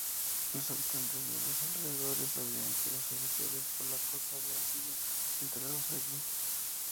Los habitantes de los alrededores sabían que los oficiales polacos habían sido enterrados allí.